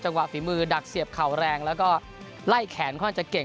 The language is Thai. ฝีมือดักเสียบเข่าแรงแล้วก็ไล่แขนค่อนข้างจะเก่ง